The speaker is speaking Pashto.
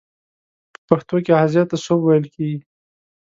په پښتو کې حاضر ته سوب ویل کیږی.